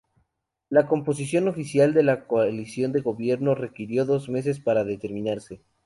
La composición oficial de la coalición de gobierno requirió dos meses para determinarse.